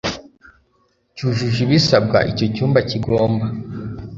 cyujuje ibisabwa icyo cyumba kigomba